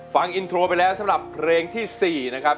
ฟังอินโทรไปแล้วสำหรับเพลงที่๔นะครับ